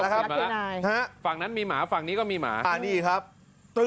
หาวหาวหาวหาวหาวหาวหาวหาวหาวหาว